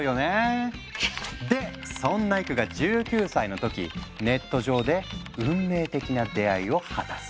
でそんなエクが１９歳の時ネット上で運命的な出会いを果たす。